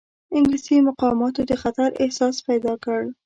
انګلیسي مقاماتو د خطر احساس پیدا کړ.